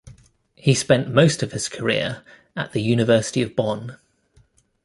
He spent most of his career at University of Bonn.